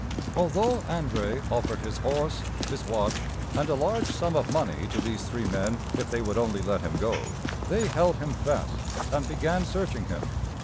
Although André offered his horse, his watch, and a large sum of money to these three men if they would only let him go, they held him fast and began searching him.